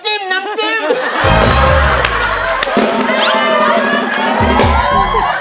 อืม